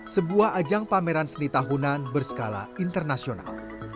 sebuah ajang pameran seni tahunan berskala internasional